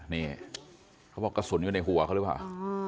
นี่เขาบอกกระสุนอยู่ในหัวเขาหรือเปล่า